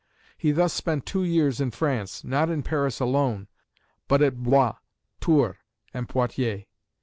He thus spent two years in France, not in Paris alone, but at Blois, Tours, and Poitiers.